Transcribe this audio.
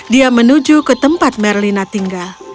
dia menuju ke tempat merlina tinggal